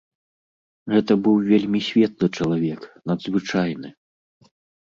Гэта быў вельмі светлы чалавек, надзвычайны.